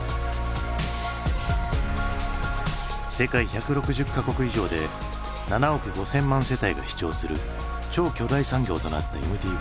世界１６０か国以上で７億５，０００万世帯が視聴する超巨大産業となったＭＴＶ。